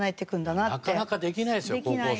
なかなかできないですよ